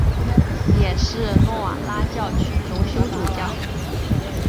也是诺瓦拉教区荣休主教。